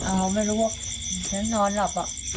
อ้าวไม่รู้ว่ะฉันนอนหลับอ่ะ